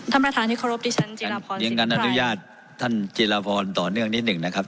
ท่านประทานที่ยังงั้นอนุญาตท่านจิลภรณ์ต่อเนื่องนิดหนึ่งนะครับ